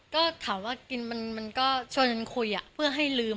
ความรู้สึกตอนนั้นกินหมูกระทะไปแล้วแบบจะเห็นแบบนี้กินหมูกระทะเป็นยังไงครับผม